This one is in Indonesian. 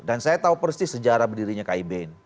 dan saya tahu persis sejarah berdirinya kib